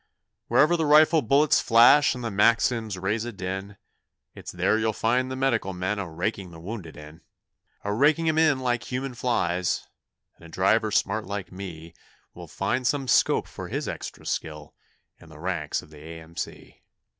'Wherever the rifle bullets flash and the Maxims raise a din, It's there you'll find the Medical men a raking the wounded in A raking 'em in like human flies and a driver smart like me Will find some scope for his extra skill in the ranks of the A.M.C.'